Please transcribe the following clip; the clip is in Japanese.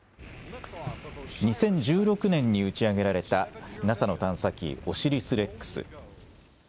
２０１６年に打ち上げられたＮＡＳＡの探査機オシリス・レックス。